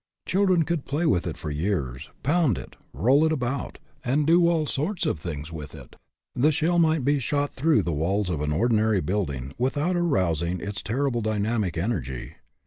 Children could play with it for years, pound it, roll it about, and do all sorts of things with it; the shell might be shot through the walls of an ordinary building, without arous ing its terrible dynamic energy.